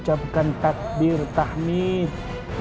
ucapkan takbir tahmid